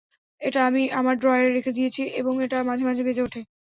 এটা আমি আমার ড্রয়ারে রেখে দিয়েছি এবং এটা মাঝে মাঝে বেজে ওঠে।